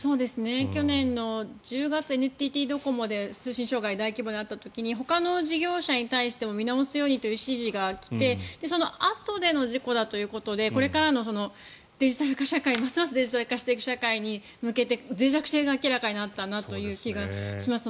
去年の１０月にＮＴＴドコモで通信障害大規模なのがあった時にほかの事業者に対しても見直すようにという指示が来てそのあとでの事故だということでこれからのデジタル化社会ますますデジタル化していく社会に向けてぜい弱性が明らかになったなという気がします。